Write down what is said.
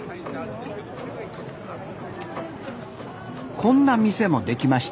こんな店もできました